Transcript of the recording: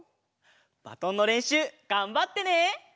バトンのれんしゅうがんばってね！